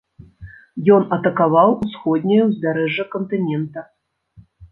Ён атакаваў усходняе ўзбярэжжа кантынента.